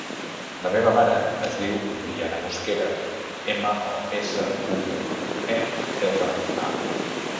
La meva mare es diu Briana Mosquera: ema, o, essa, cu, u, e, erra, a.